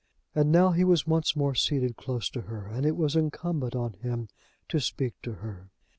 And now he was once more seated close to her, and it was incumbent on him to speak to her.